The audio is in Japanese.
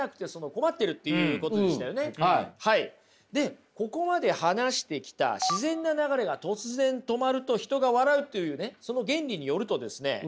でここまで話してきた自然な流れが突然止まると人が笑うというねその原理によるとですね